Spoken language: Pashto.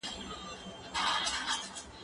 زه اجازه لرم چي کښېناستل وکړم؟!